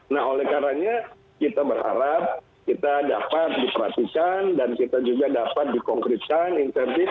nah oleh karanya kita berharap kita dapat diperhatikan dan kita juga dapat dikonkretkan insentif